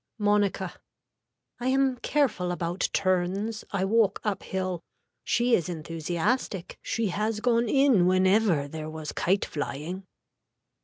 (Monica.) I am careful about turns. I walk up hill. She is enthusiastic she has gone in whenever there was kite flying.